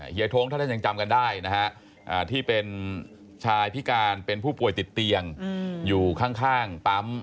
ท้งถ้าท่านยังจำกันได้นะฮะที่เป็นชายพิการเป็นผู้ป่วยติดเตียงอยู่ข้างปั๊ม